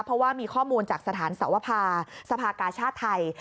เพราะว่ามีข้อมูลจากสถานสวภาสภากาชาติไทย